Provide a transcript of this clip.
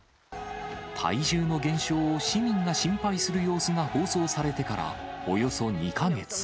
体重の減少を市民が心配する様子が放送されてからおよそ２か月。